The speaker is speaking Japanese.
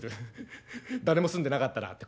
フフフ誰も住んでなかったら」。